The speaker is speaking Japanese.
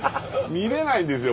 見れないんですよ